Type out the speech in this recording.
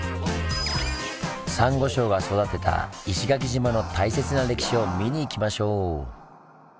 サンゴ礁が育てた石垣島の大切な歴史を見に行きましょう！